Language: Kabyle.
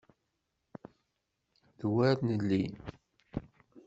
D wer nelli!